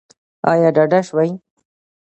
ایا ډاډه شوئ؟